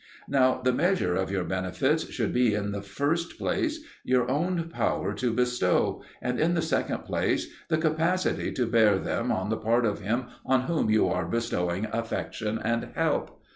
Now the measure of your benefits should be in the first place your own power to bestow, and in the second place the capacity to bear them on the part of him on whom you are bestowing affection and help.